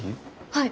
はい。